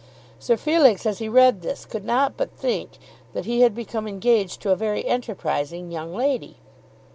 Sir Felix as he read this could not but think that he had become engaged to a very enterprising young lady.